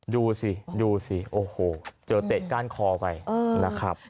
ดูสิดูสิโอ้โหเจอเตะก้านคอไปนะครับ